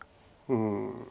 うん。